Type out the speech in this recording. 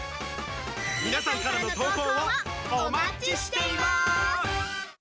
皆さんからの投稿をお待ちしています。